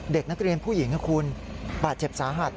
เด็กนักเรียนผู้หญิงนะคุณบาดเจ็บสาหัส